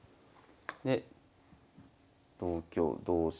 で同香同飛車。